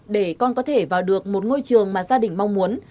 để con có thể vào được một ngôi trường mà gia đình mong muốn